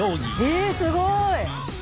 えすごい。